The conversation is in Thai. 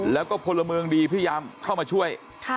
แล้วก็พลเมืองดีพยายามเข้ามาช่วย